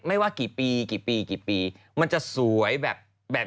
ไม่ว่ากี่ปีมันจะสวยแบบ